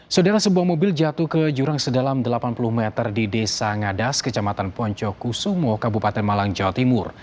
saudara sebuah mobil jatuh ke jurang sedalam delapan puluh meter di desa ngadas kejamatan poncokusumo kabupaten malang jawa timur